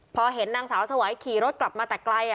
พอเห็นนางสาวสวัยขี่รถกลับมาแต่ไกล